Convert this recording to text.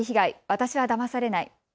私はだまされない。